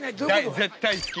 絶対好き。